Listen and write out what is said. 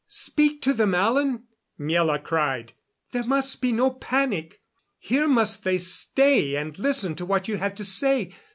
"Speak to them, Alan," Miela cried. "There must be no panic. Here must they stay and listen to what you have to say.